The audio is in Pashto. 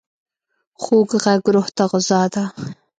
خوږ غږ روح ته غذا ده.